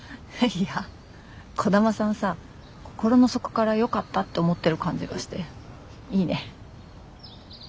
いや兒玉さんさ心の底からよかったって思ってる感じがしていいね。